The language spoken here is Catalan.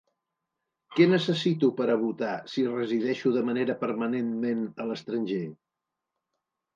Què necessito per a votar si resideixo de manera permanentment a l’estranger?